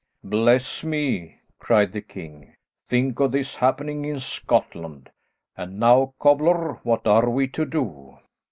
"Bless me," cried the king, "think of this happening in Scotland. And now, cobbler, what are we to do?"